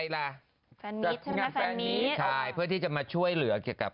อ๋อแล้วไปบอกเขาอีก